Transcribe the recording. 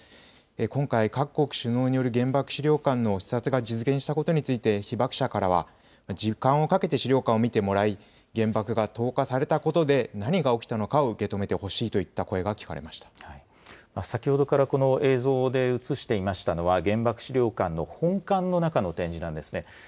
今回、各国首脳による原爆資料館の視察が実現したことについて、被爆者からは、時間をかけて資料館を見てもらい、原爆が投下されたことで何が起きたのかを受け止めてほしいといっ先ほどからこの映像で映していましたのは、原爆資料館の本館の中の展示なんですね。